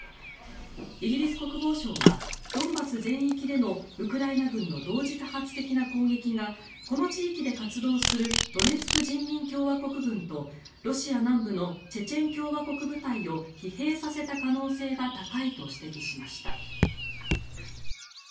イギリス国防省はドンバス全域でのウクライナ軍の同時多発的な攻撃がこの地域で活動するドネツク人民共和国軍とロシア南部のチェチェン共和国部隊を疲弊させた可能性が高いと指摘しました。